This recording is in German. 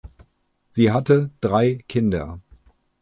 Sie hatte drei Kinder.